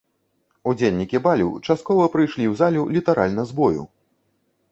Удзельнікі балю часткова прыйшлі ў залю літаральна з бою!